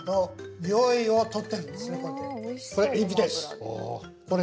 これエビです。